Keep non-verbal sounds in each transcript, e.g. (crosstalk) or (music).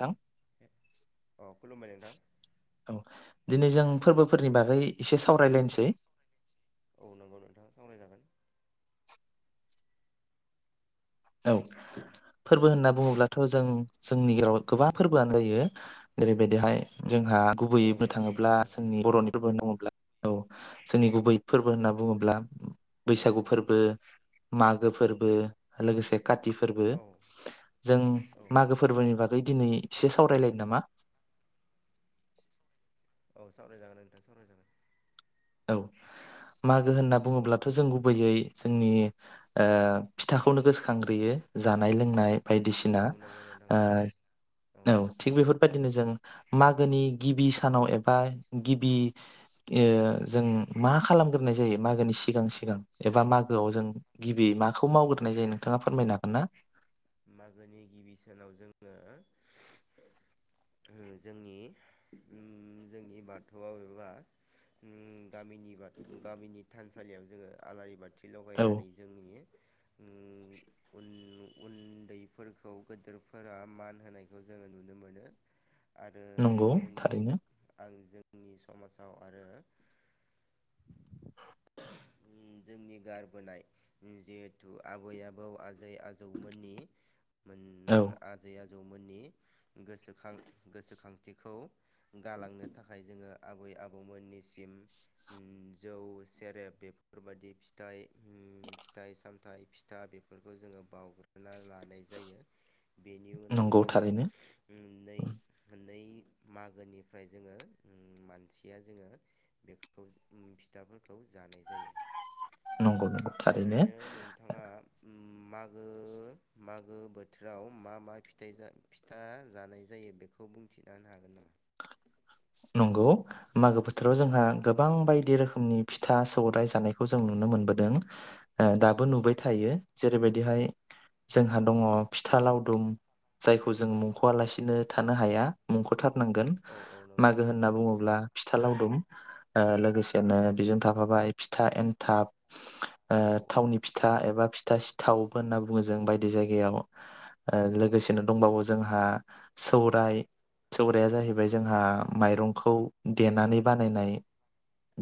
थां औ खुलुमबाय नोंथां औ दिनै जों फोरबोफोरनि बागै एसे सावरायलायनोसै औ नंगौ नोंथाङा सावरायजागोन औ फोरबो होनना बुङोब्लाथ' जों जोंनि गेजेराव गोबां फोरबोआनो जायो जेरैबायदिहाय जोंहा औ गुबैयै बुंनो नंगौ नोंथां थाङोब्ला औ जोंनि बर'नि फोरबो होना बुङोब्ला औ जोंनि गुबै फोरबो होनना बुङोब्ला औ औ बैसागु फोरबो मागो फोरबो लोगोसे काति फोरबो औ जों औ मागो फोरबोनि बागै दिनै औ एसे सावरायलायनो नामा औ सावरायजागोन नोंथां सावरायजागोन औ मागो होनना बुङोब्लाथ' जों गुबैयै जोंनि ओ फिथाखौनो गोसखांग्रोयो जानाय लोंनाय बायदिसिना औ नंगौ नोंथां ओ औ औ थिग बेफोर बायदिनो जों मागोनि गिबि सानाव एबा गिबि ओ जों मा खालामग्रोनाय जायो मागोनि सिगां सिगां एबा मागोआव जों गिबि माखौ मावग्रोनाय जायो नोंथाङा फोरमायनो हागोन ना मागोनि गिबि सानाव जोङो ओ जोंनि ओम जोंनि बाथौआव एबा ओम गामिनि बाथ गामिनि थानसालियाव जोङो आलारि बाथ थि औ लगायनानै जोंनि ओम उन उन्दैफोरखौ गेदेरफोरा मान होनायखौ जोङो नुनो मोनो आरो नंगौ जोंनि थारैनो आंजों जोंनि समाव आरो जोंनि गारबोनाय जिहेथु आबै आबौ आजै आज औ मोन आजै आज आजौमोननि गोसोखां गोसोखांथिखौ गालांनो थाखाय जोङो आबै आबौमोननिसिम जौ सेरेब बेफोरबाददि फिथाइ फिथाइ सामथ फिथा बेफोरखौ जोङो बावग्रोना लानाय जायो। बेनि उनाव नंगौ जोङो थारैनो नै नै मागोनिफ्राय जोङो मानसिया जोङो बेखौ फिथाफोरखौ जानाय जायो। नंगौ नंगौ थारैनो। माग गो मागो बोथोराव मा मा फिथाइ फिथा जानाय जायो बेखौ बुंथिना होनो हागोन नामा? नंगौ मागो बोथोराव जोंहा गोबां बायदि रोखोमनि फिथा सौरायाइ जानायखौ जों नुनो मोनबोदों दाबो औ नुबाय थायो जेरैबायदिहाय जोंहा दङ फिथा लावदुम जायखौ जों मुंख'आलासिनो थानो हाया मुंख' थार औ औ नंगौ औ होनना बुङोब्ला फिथा लावदुम औ लोगोसेनो बेजों थाफाबाय फिथा एन्थाब औ औ थावनि फिथा एबा फिथा सिथाव होनना बुङो जों बायदि जायगायाव ओ लोगोसेनो दंबावो जोंहा सौराय सौराया जाहैबाय जोंहा मायरंखौ देनानै बानायनाय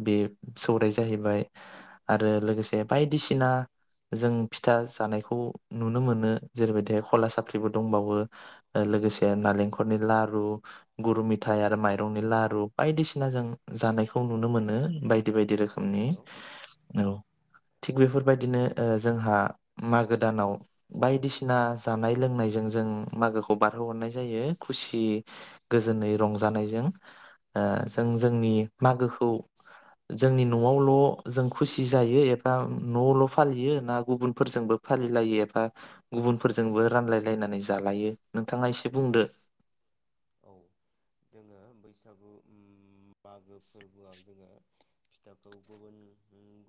बे सौराय जाहैबाय आरो लोगोसे बायदिसिना जों फिथा जानायखौ नुनो मोनो जेरैबायदिहाय खला साफ्रिबो दंबावो ओ लोगोसे नालेंखरनि लारु गुरु मिथाय औ आरो नि लारु बायदिसिना जों जानायखौ नुनो मोनो बाय बायदि बायदि औ रोखोमनि नंगौ औ थिग बेफोरबायदिनो जोंहा मागो दानाव बायदिसिना जानाय लोंनायजों जों मागोखौ बारहोहरनाय जायो खुसि गोजोनै रंजानायजों ओ जों औ नंगौ जोंनि मागोखौ जोंनि न'आवल' जों खुसि जायो एबा न'आवल' फालियो ना गुबुनफोरजोंबो फालिलायो एबा गुबुनफोरजोंबो रानलायलायनानै जालायो नोंथाङा एसे बुंदो औ जोङो बैसागु उम मागो फोरबोआव जोङो फिथाखौ गुबुन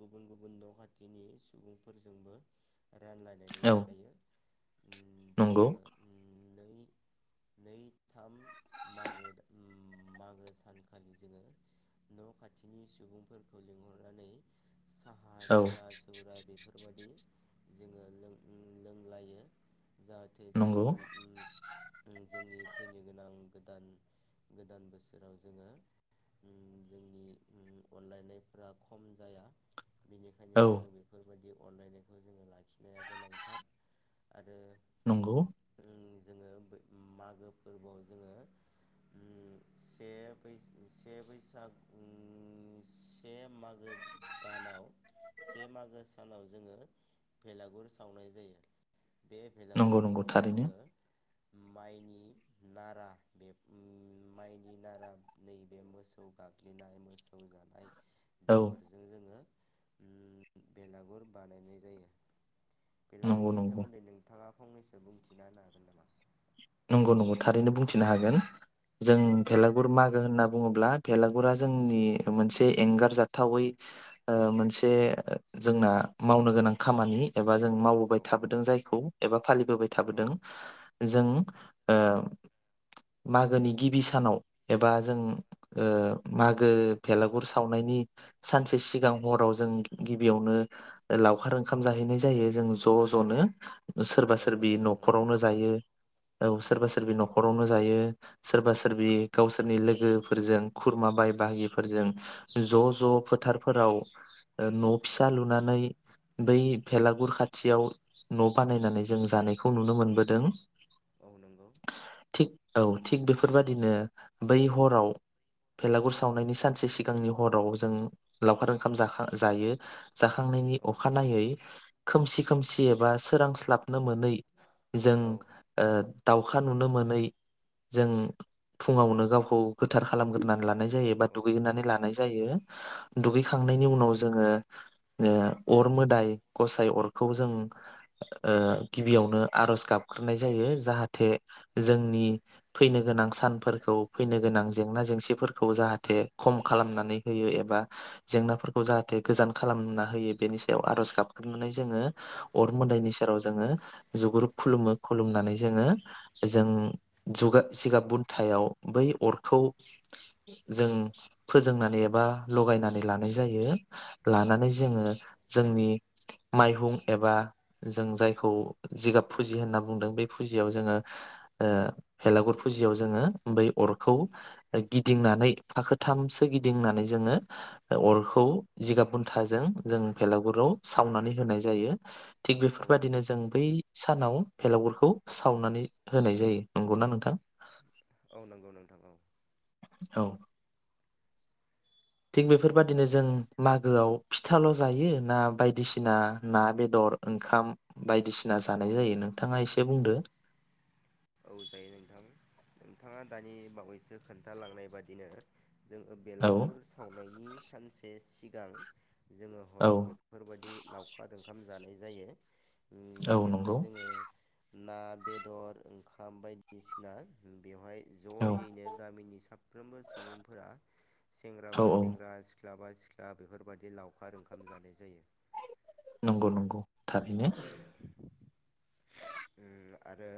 गुबुन गुबुन न' खाथिनि सुबुंफोरजोंबो रानलायलायनानै औ जायो जोङो नंगौ नै नै थाम मागो उम मागो सानखालि जोङो न' खाथिनि सुबुंफोरखौ लिंहरनानै साहा औ फिथा सौराइ बेफोरबायदि जोङो लों-लोंलायो जाहाथे नंगौ जोंनि उम उम जोंनि फैनो गोनां गोदान गोदान बोसोराव जोङो जोंनि अनलायनायफ्रा खम जाया। बेनिखायनो औ जोङो बेफोर बेबायदि अनलायनायखौ जोङो लाखिनाया गोनांथार आरो नंगौ उम जोङो बै मागो फोरबोआव जोङो से से बैसागुनि से मागो दानाव से मागो सानाव जोङो बेलागुर सावनाय जायो। बे नंगौ बेलागुरखौ नंगौ थारैनो जोङो माइनि नारा बे माइनि नारा नैबे मोसौ गाग्लिनाय मोसौ जानाय औ बेफोरजों जोङो ओम बेलागुर बानायनाय जायो। नंगौ बेलागुरनि नंगौ सोमोन्दै नोंथाङा फंनैसो बुंथिना हागोन नामा? नंगौ नंगौ थारैनो बुंथिनो हागोन जों औ भेलागुर मागो होनना बुङोब्ला भेलागुरा जोंनि मोनसे एंगारजाथावै मोनसे जोंना मावनो गोनां खामानि एबा एबा जों औ मावबोबाय औ थाबोदों जायखौ एबा फालिबोबाय औ थाबोदों औ जोंनि ओ मागोनि गिबि सानाव एबा जों ओ मागो भेलागुर सावनायनि सानसे सिगां हराव जों गिबियावनो लावखार ओंखाम जाहैनाय जायो जों ज' ज'नो। सोरबा औ सोरबि नंगौ नोंथां नंगौ न'खरावनो जायो। औ सोरबा सोरबि न'खरावनो जायो सोरबा सोरबि गावसोरनि लोगोफोरजों खुरमा बाय बाहागिफोरजों ज' ज' फोथारफोराव न' फिसा लुनानै बै भेलागुर खाथियाव न' बानायनानै जों जानायखौ नुनो मोनबोदों। नोंगौ औ थिग बेफोरबादिनो बै हराव भेलागुर सावनायनि सानसे सिगांनि हराव जों लावखार ओंखाम जखां जायो जाखांनायनि औ औ अखानायै खोमसि खोमसि एबा सोरांस्लाबनो मोनै जों औ ओ दाउखा नुनो मोनै जों फुङावनो गावखौ गोथार खालामग्रोनानै लानाय औ जायो नंगौ बा औ दुगैानै लानाय जायो औ दुगैखांनायनि उनाव जोंओ अर मोदाय गसाइ अरखौ जों औ ओ गिबियावनो आरज गाबग्रोनाय जायो जाहाथे जाहाथे औ जोंनि फैनो गोनां सानफोरखौ फैनो गोनां जेंना जेंसिफोरखौ जाहाथे खम खालामनानै होयो एबा जेंनाफोरखौ जाहाथे गोजान खालामना होयो बेनि सायाव आर'ज गाबखनानै जोङो अर मोदायनि सेराव जोङो जुग्रुब खुलुमो खुलुमनानै जोङो जों जुगा जिगाब बुथायाव बै अरखौ जों फोजोंनानै एबा लगायनानै लानाय जायो। लानानै औ नंगौ जोङो जोंनि माइहुं एबा जों जायखौ जिगाब फुजि होनना बुंदों बे फुजियाव जोङो ओ भेलागुर फुजियाव जोङो बै अरखौ गिदिंनानै फाखोथामसो गिदिंनानै जोङो अरखौ जिगाब बुन्थाजों जों भेलागुराव सावनानै होनाय जायो थिग औ बेफोरबायदिनो नंगौ जों बै सानाव भेलाावुरफोरखौ सावनानै होनाय जायो नंगौना नोंथां? औ नंगौ नोंथां औ औ थिग बेफोरबादिनो जों मागोआव फिथाल' जायो ना बायदिसिना ना बेदर ओंखाम बायदिसिना जानाय जायो नोंथाङा एसे बुंदो औ जायो नोंथां नोंथाङा दानि बावैसो खोन्थालांनाय बादिनो जोङो औ बेलागुर सावनायनि सानसे सि जां जोङो औ हराव बेफोरबायदि लावखारादों ओंखाम जानाय जायो औ उम बेवहाय नंगौ जोङो ना बेदर ओंखाम खाम बायदिसिना बेवहाय औ ज'यैनो गामिनि साफ्रोमबो सुबुंफोरा सेंग्रा औ बा औ सेंग्रा सिख सिख्ला बा सिख्ला बेफोरबायदि लावखार ओंखाम जानाय जायो। नंगौ नंगौ थारैनो। उम आरो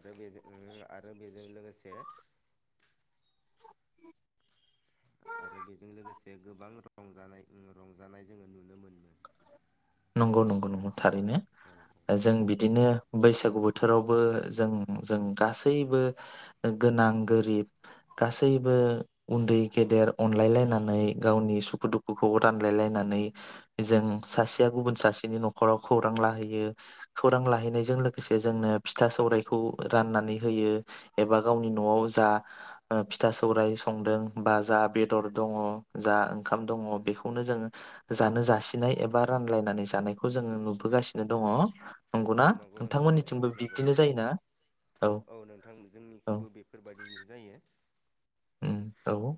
आरो बेजों आरो बेजों लोगोसे आरो बेजों लोगोसे गोबां रंजानाय उम रंजानाय जोङो नुनो मोनो। नंगौ नंगौ थारैनो औ जों बिदिनो बैसागु बोथोरावबो जों जों गासैबो गोनां गोरिब गासैबो उन्दै गेदेर अनलायलायनानै गावनि सुखु दुखुखौ रानलायलायनानै जों सासे गुबुन सासेनि न'खराव खौरां लाहैयो खौरां लाहैनायजों लोगोसे जोंनो फिथा सौरायाइखौ राननानै होयो एबा गावनि न'आव जा फिथा सौराय संदों बा जा बेदर दङ जा ओंखाम दङ बेखौनो जोङो जानो जासिनाय एबा रानलायनानै जानायखौ जोङो नुबोगासिनो दङ। औ नंगौना नंगौ नोंथां नंगौ औ नोंथांमोननिथिंबो नंगौ बिब्दिनो जायोना औ नोंथां औ जोंनिखौबो बेफोरबायाददिनो जायो। उम औ।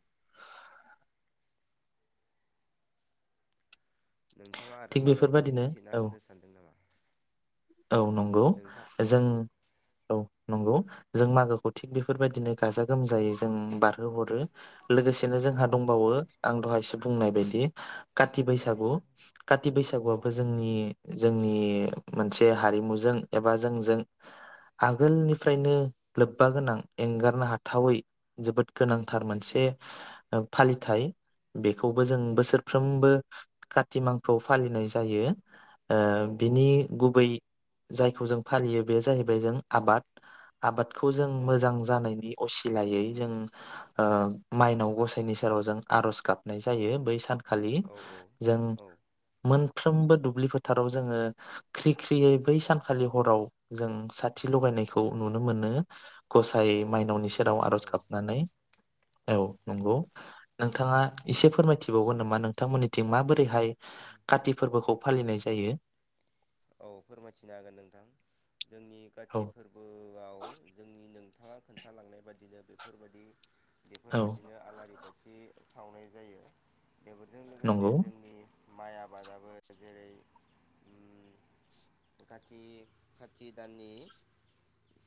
नोंथाङा आरो थिग माबाफोर बेफोरबायदिनो बुंथिना औ होनो सानदों नामा? औ नंगौ नोंथां जों औ औ नंगौ। जों मागोखौ थिग बेफोरबायदिनो गाजा गोमजायै जों बारहोहरो। लोगोसेनो औ जोंहा दंबावो आं दहायसो बुंनाय बायदि काथि औ बैसागु काति औ बैसागुआबो जोंनि जोंनि मोनसे हारिमुजों एबा जोंजों आगोलनिफ्रायनो लोब्बा गोनां एंगारनो हाथावै जोबोद गोनांथार मोनसे फालिथाय बे खौबो जों बोसोरफ्रोमबो कतिमांखोआव फालिनाय जायो। औ बिनि गुबै जायखौ जों फालियो बे जाहैबाय जों आबाद आबाद खौ जों औ मोजां जानायनि असिलायै जों माइनाव गसाइनि सेराव जों आरज गाबनाय जायो बै सान खालि औ जों औ मोन फ्रोमबो दुब्लि फोथाराव जोङो ख्रि ख्रि बै सानखालि हराव जों साथि लगायनायखौ नुनो मोनो। गसाय औ नोंथां माइनावनि नुनो सेराव मोनो आरज औ गाबनानै औ नंगौ। नोंथाङा एसे फोरमायथिबावगोन नामा नोंथांमोननिथिं माबोरैहाय काति फोरबोखौ फालिनाय जायो। औ फोरमायथिनो हागोन नोंथां जोंनि औ काति फोरबोआव जोंनि नों थांङा खोनथालांनाय बायदिनो बेफोरबायदि औ बेफोरबायदिनो आलारि बाथि सावनाय जायो बेफोरजों लोगोसे नंगौ जोंनि माइ आबादाबो जेरै खाथि दाननि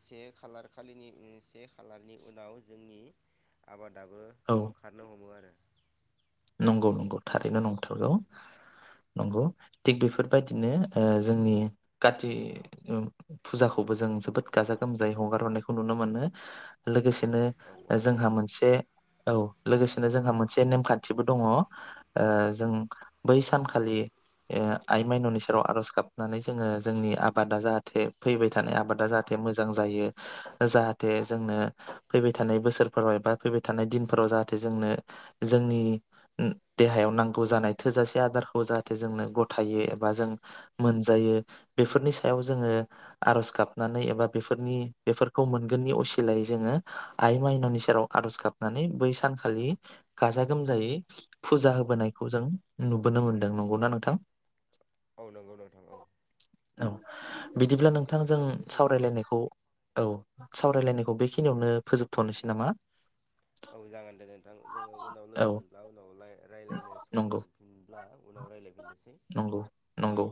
से खालार खालिनि से खालारनि उनाव जोंनि आबाद दाबो औ ओंखारनो हमो आरो नंगौ नंगौ थारैनो नंथारगौ नंगौ थिग बेफोरबायदिनो जोंनि काति फुजाखौबो जों जोबोद गाजा गोमजायै हगार हरनायखौ नुनो मोनो लोगोसे बिदिनो औ औ जोंहा नंगौ मोनसे औ लोगोसेनो जोंहा मोनसे नेमखा न्थिबो दङ ओ जों बै सानखालि आइ माइनावनि सेराव आर'ज गाबनानै जोङो जोंनि आबादा जाहाथे फैबाय थानाय आबादा जाहाथे मोजां जायो जाहाथे जोंनो फैबाय थानाय बोसोरफोराव एबा फैबाय थानाय दिनफोराव जाहाथे जोंनो जोंनि देहायाव नांगौ जानाय थोजासे आदारखौ जाहाथे जोंनो गथायो एबा जों मोनजायो बेफोरनि सायाव जोङो आर'ज गाबनानै एबा बेफोरनि बेफोरखौ मोनगोननि असिलायै जोङो आइ माइनावनि सेराव आर'ज गाबनानै बै सानखालि गाजा गोमजायै फुजा होबोनायखौ जों नुबोनो मोनदों नंगौना नोंथां औ नंगौ नोंथां औ औ नंगौ बिदिब्ला बेफोर नोंथांजों थारैनो सैथो। सावरायलायनायखौ औ सावरायलायनायखौ बेखिनियावनो फोजोबथ'नोसै नामा औ जागोन दे नोंथां जोङो उनाव लोगो मोनब्ला औ रायजलायनो सम नंगौ मोनफिनब्ला उनाव रायजलायफिननो नंगौ नंगौ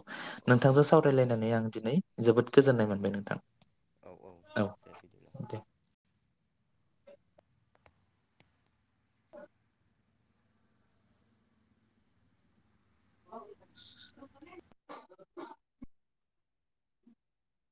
दे नोंथांजों होमबा नोंथां सावरायलायनानै आं दिनै जोबोद गोजोननाय औ मोनबाय नोंथां औ औ दे बिदिब्ला औ दे (inaudible) (inaudible)